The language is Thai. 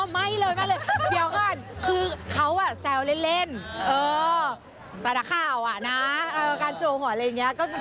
อ๋อไม่เลยเดี๋ยวก่อนคือเขาอะแซวเล่นเออปรดข้าวอ่ะนะการโจหัวอะไรอย่างเงี้ย